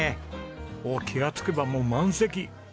おお気がつけばもう満席。